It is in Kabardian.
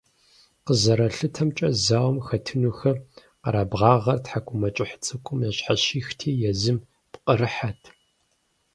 КъызэралъытэмкӀэ, зауэм хэтынухэм къэрабгъагъэр тхьэкӀумэкӀыхь цӀыкӀум ящхьэщихти езым пкъырыхьэт.